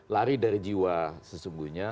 lari dari jiwa sesungguhnya